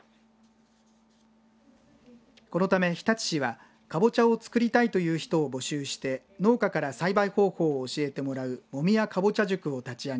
このため日立市はかぼちゃを作りたいという人を募集して農家から栽培方法を教えてもらう茂宮かぼちゃ塾を立ち上げ